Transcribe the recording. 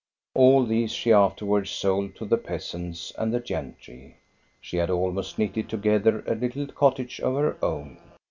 All these she afterwards sold to the peasants id the gentry. She had almost knitted together a ;Ie cottage of her own.